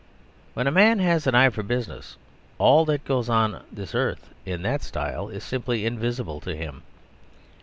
When a man has an eye for business, all that goes on on this earth in that style is simply invisible to him.